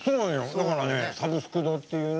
だからねサブスク堂っていうね